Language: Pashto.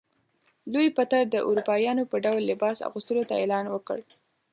لوی پطر د اروپایانو په ډول لباس اغوستلو ته اعلان وکړ.